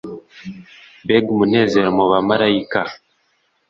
Mbega umunezero mu bamaraika!